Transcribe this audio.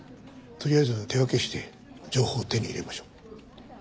とりあえず手分けして情報を手に入れましょう。